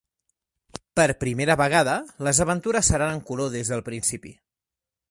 Per primera vegada, les aventures seran en color des del principi.